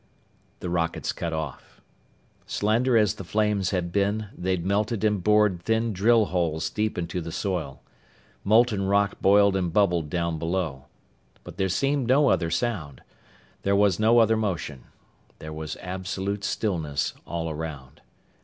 The rockets cut off. Slender as the flames had been, they'd melted and bored thin drill holes deep into the soil. Molten rock boiled and bubbled down below. But there seemed no other sound. There was no other motion. There was absolute stillness all around.